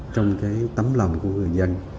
trong cái tấm lòng của người dân